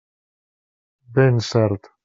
Ben cert.